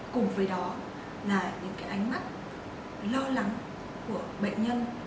cùng với đó là những cái ánh mắt lo lắng của bệnh nhân